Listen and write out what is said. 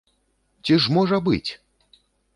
Ці ж можа быць!